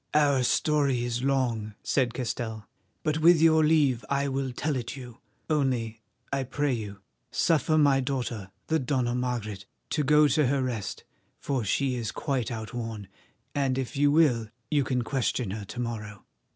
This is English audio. "Our story is long," said Castell, "but with your leave I will tell it you, only, I pray you, suffer my daughter, the Dona Margaret, to go to rest, for she is quite outworn, and if you will you can question her to morrow."